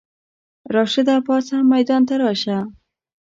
راشده پاڅه ميدان ته راشه!